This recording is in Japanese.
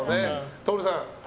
徹さん